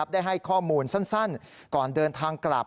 ได้ให้ข้อมูลสั้นก่อนเดินทางกลับ